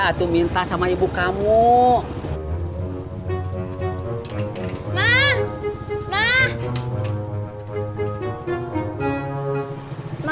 atau minta sama ibu kamu mah mah